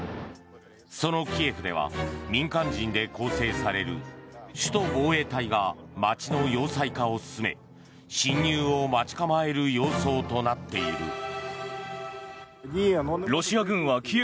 そのキエフでは民間人で構成される首都防衛隊が街の要塞化を進め侵入を待ち構える様相となっている。